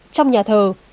trong nhà thờ